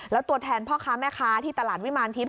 แล้วตัวแทนพ่อค้าแม่ค้าที่ตลาดวิมารทิพย